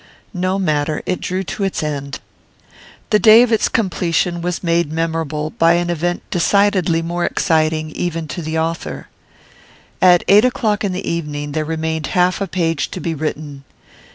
No matter; it drew to its end. The day of its completion was made memorable by an event decidedly more exciting, even to the author. At eight o'clock in the evening there remained half a page to be written.